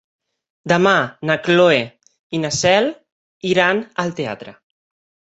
Demà na Cloè i na Cel iran al teatre.